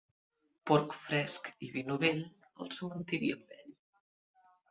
Porc fresc i vi novell, al cementiri amb ell.